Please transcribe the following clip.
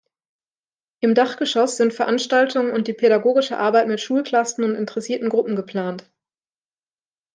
Im Dachgeschoss sind Veranstaltungen und die pädagogische Arbeit mit Schulklassen und interessierten Gruppen geplant.